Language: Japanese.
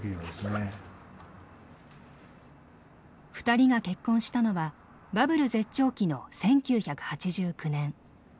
２人が結婚したのはバブル絶頂期の１９８９年。